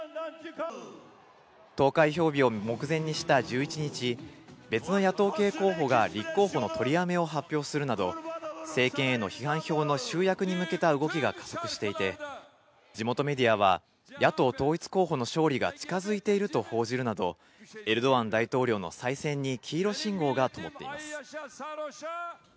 投開票日を目前にした１１日、別の野党系候補が立候補の取りやめを発表するなど、政権への批判票の集約に向けた動きが加速していて、地元メディアは、野党統一候補の勝利が近づいていると報じるなど、エルドアン大統領の再選に黄色信号がともっています。